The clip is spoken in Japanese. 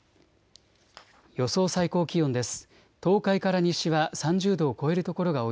予想最高気温です。